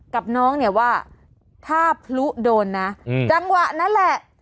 กับน้องเนี่ยว่าถ้าพลุโดนนะจังหวะนั้นแหละ